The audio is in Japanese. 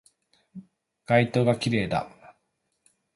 街灯が綺麗だ